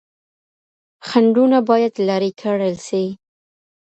خنډونه بايد لري کړل سي.